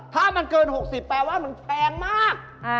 ถ้ามันเกิน๖๐แปลว่ามันแพงมาก